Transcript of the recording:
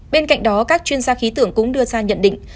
bên cạnh đó các chuyên gia khí tưởng cũng đưa ra nhận định